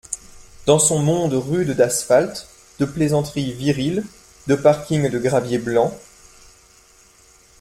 Dans son monde rude d’asphalte, de plaisanteries viriles, de parkings de graviers blancs.